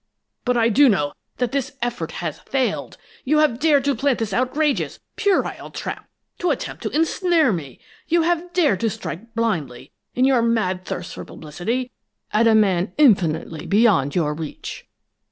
But I do know that this effort has failed! You have dared to plant this outrageous, puerile trap to attempt to ensnare me! You have dared to strike blindly, in your mad thirst for publicity, at a man infinitely beyond your reach.